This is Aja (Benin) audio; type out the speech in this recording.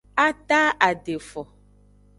A taadefo.